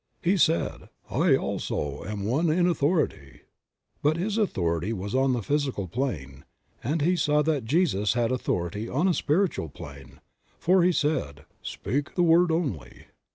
He said, "I also am one in authority"; but his authority was on the physical plane, and he saw that Jesus had authority on a Spiritual plane, for he said, "Speak the word only."